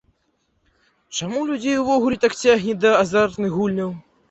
Чаму людзей увогуле так цягне да азартных гульняў?